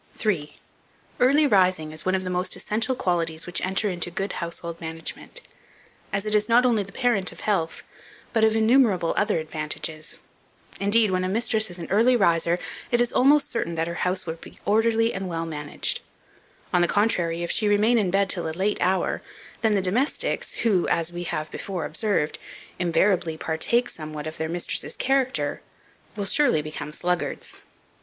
3. EARLY RISING IS ONE OF THE MOST ESSENTIAL QUALITIES which enter into good Household Management, as it is not only the parent of health, but of innumerable other advantages. Indeed, when a mistress is an early riser, it is almost certain that her house will be orderly and well managed. On the contrary, if she remain in bed till a late hour, then the domestics, who, as we have before observed, invariably partake somewhat of their mistress's character, will surely become sluggards.